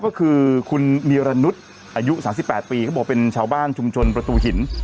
ก็คือคุณมีรณุฑอายุสามสิบแปดปีเขาบอกเป็นชาวบ้านชุมชนประตูหิน